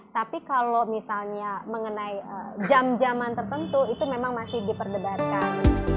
tapi kalau misalnya mengenai jam jaman tertentu itu memang masih diperdebarkan